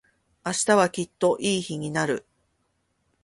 明日はきっといい日になる。